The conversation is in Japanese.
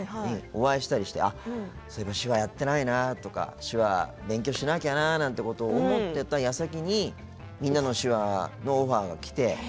お会いしたりして、そういえば手話やってないなとか手話、勉強しなきゃなと思っていた矢先に「みんなの手話」のオファーがきて。